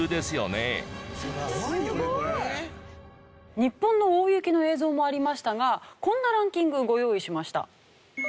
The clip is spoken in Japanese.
すごい！日本の大雪の映像もありましたがこんなランキングご用意しました。